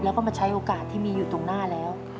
แล้วก็มาใช้โอกาสที่มีอยู่ตรงหน้าแล้ว